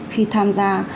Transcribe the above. khi tham gia